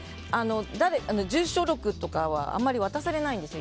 住所録とかはあんまり渡されないんですよ